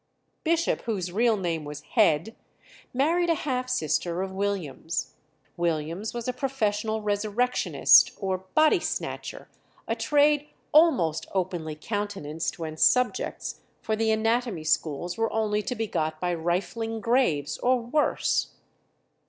Bishop, whose real name was Head, married a half sister of Williams'. Williams was a professional resurrectionist, or body snatcher, a trade almost openly countenanced when "subjects" for the anatomy schools were only to be got by rifling graves, or worse.